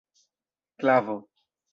klavo